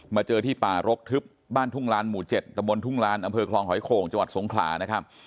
เจอที่ป่ารกทึบบ้านทุ่งลานหมู่๗ตะบนทุ่งลานอำเภอคลองหอยโข่งจังหวัดสงขลานะครับ